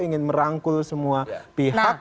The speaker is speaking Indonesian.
ingin merangkul semua pihak